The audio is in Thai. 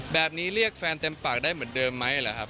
แบบนี้เรียกแฟนเต็มปากได้เหมือนเดิมไหมหรือครับ